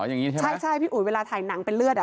อย่างนี้ใช่ไหมใช่ใช่พี่อุ๋ยเวลาถ่ายหนังเป็นเลือดอ่ะ